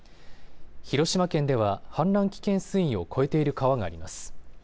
広島県では氾濫危険水位を超えている川があります。